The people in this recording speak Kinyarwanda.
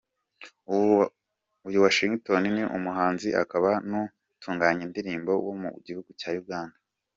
Uyu Washington ni umuhanzi akaba n’utunganya indirimbo wo mu gihugu cya Uganda.